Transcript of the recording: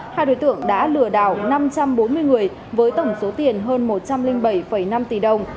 hai đối tượng đã lừa đảo năm trăm bốn mươi người với tổng số tiền hơn một trăm linh bảy năm tỷ đồng